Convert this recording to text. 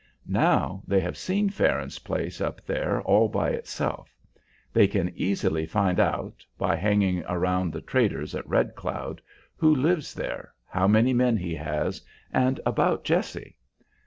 Now, they have seen Farron's place up there all by itself. They can easily find out, by hanging around the traders at Red Cloud, who lives there, how many men he has, and about Jessie.